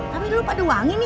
tapi lo lupa ada wangi nih